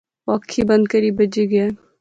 او اکھی بند کری بہجی گیا